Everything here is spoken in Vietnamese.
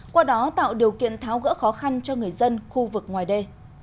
qua đó tạo điều kiện tháo gỡ khó khăn cho người dân khu vực ngoài đê